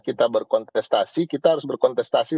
kita berkontestasi kita harus berkontestasi